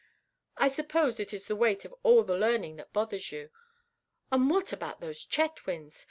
I suppose it is the weight of all the learning that bothers you. And what about those Chetwynds?